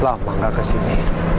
lama gak ke sini